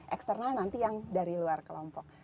eksternal nanti yang dari luar kelompok